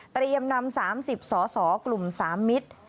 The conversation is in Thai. เตรียมนำ๓๐สสกลุ่ม๓มิตร